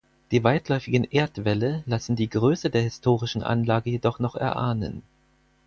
Die weitläufigen Erdwälle lassen die Größe der historischen Anlage jedoch noch erahnen.